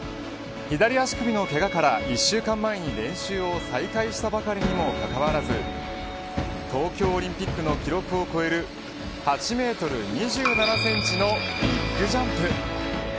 左足首のけがから１週間前に練習を再開したばかりにもかかわらず東京オリンピックの記録を超える８メートル２７センチのビッグジャンプ。